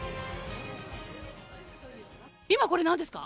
今これなんですか？